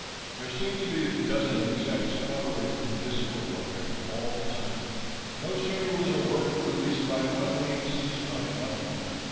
There seemed to be a dozen execs hovering invisible around all the time; no sooner was a worker released by one than he was seized by another.